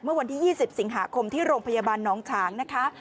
เมื่อวันที่๒๐สิงหาคมที่โรงพยาบาลน้องฉางนะคะ